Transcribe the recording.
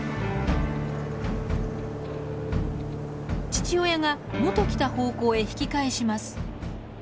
父親がもと来た方向へ引き返します。